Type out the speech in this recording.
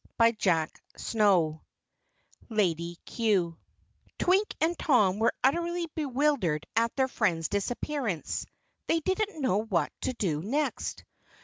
CHAPTER 10 Lady Cue Twink and Tom were utterly bewildered at their friend's disappearance. They didn't know what to do next.